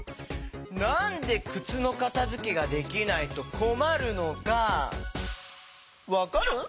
なんでくつのかたづけができないとこまるのかわかる？